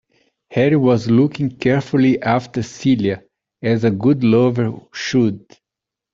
Harry was looking carefully after Celia, as a good lover should.